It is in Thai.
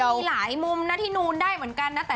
มีหลายมุมนะที่นูนได้เหมือนกันนะ